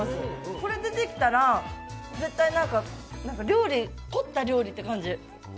これ出てきたら、絶対凝った料理って感じ。